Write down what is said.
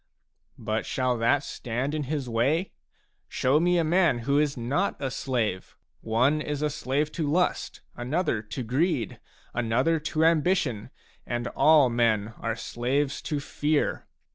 But shall that stand in his way ? Show me a man who is not a slave ; one is a slave to lust, another to greed, another to ambition, and all men are slaves to fear.